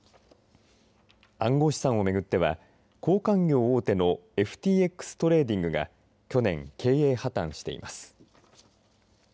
暗号資産を巡っては交換業大手のＦＴＸトレーディングが去年、経営破綻しています。